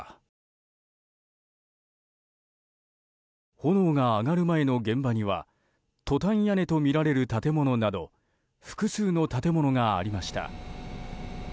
炎が上がる前の現場にはトタン屋根とみられる建物など複数の建物がありました。